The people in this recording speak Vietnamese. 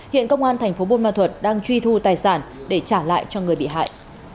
hiện công an thành phố buôn ma thuật đang truy thu tài sản để trả lại cho người bị hại